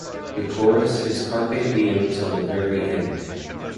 The chorus is Carpe diem 'til the very end.